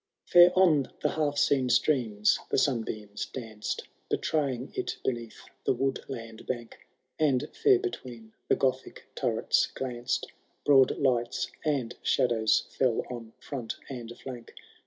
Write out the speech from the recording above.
II. Fair on the half seen streams the sunbeams danced. Betraying it beneath the woodland bank. And fair between the Gothic turrets glanced Broad lights, and shadows fell on front and flank.